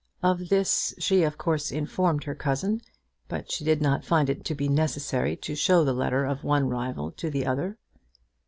Of this she of course informed her cousin; but she did not find it to be necessary to show the letter of one rival to the other.